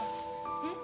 えっ？